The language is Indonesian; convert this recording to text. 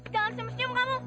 jangan semesium kamu